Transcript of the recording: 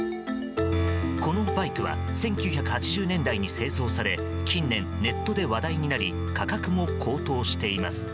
このバイクは１９８０年代に製造され近年ネットで話題になり価格も高騰しています。